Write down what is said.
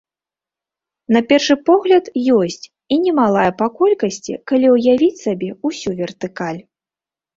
На першы погляд, ёсць, і немалая па колькасці, калі ўявіць сабе ўсю вертыкаль.